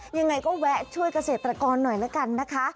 ยังไงก็แวะช่วยเกษตรกรหน่อยละกันนะคะ